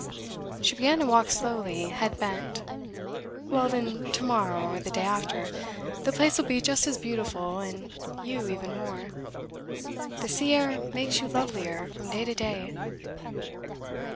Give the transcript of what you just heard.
She began to walk slowly, head bent. 'Well then, to morrow, or the day after. The place will be just as beautiful, and you even more. The sea air makes you lovelier from day to day.